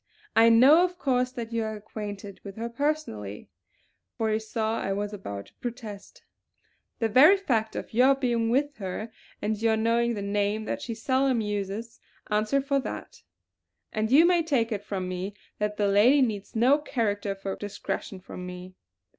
I know of course that you are acquainted with her personally," for he saw I was about to protest, "the very fact of your being with her and your knowing the name that she seldom uses answer for that; and you may take it from me that the lady needs no character for discretion from me.